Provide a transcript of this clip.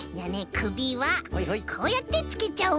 くびはこうやってつけちゃおう。